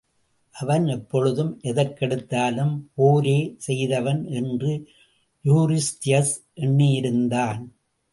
அவன் எப்பொழுதும், எதற்கெடுத்தாலும் போரே செய்வான் என்று யூரிஸ்தியஸ் எண்ணியிருந்தான்.